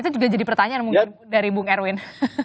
itu juga jadi pertanyaan mungkin dari bung erwin